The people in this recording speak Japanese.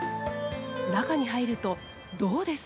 中に入るとどうです？